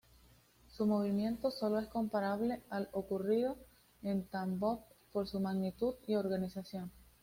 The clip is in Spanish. Su movimiento sólo es comparable al ocurrido en Tambov por su magnitud y organización.